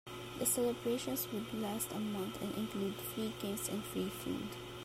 The celebrations would last a month and include free games and free food.